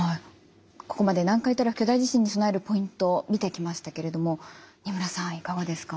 ここまで南海トラフ巨大地震に備えるポイント見てきましたけれども仁村さんいかがですか？